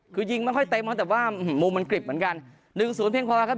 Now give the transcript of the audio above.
คือยิงไม่ค่อยเต็มมากแต่ว่ามุมมันกลิบเหมือนกันหนึ่งศูนย์เพียงพอครับ